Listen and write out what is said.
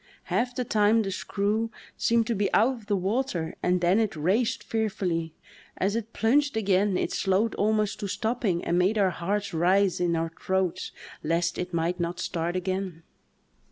Half the time the screw seemed to be out of water and then it "raced" fearfully; as it plunged again it slowed almost to stopping and made our hearts rise in our throats lest it might not start again.